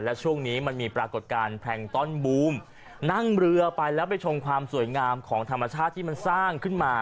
และช่วงนี้มันมีปรากฏการณ์แพลงต้อนบูมนั่งเรือไปแล้วไปชมความสวยงามของธรรมชาติที่มันสร้างขึ้นมา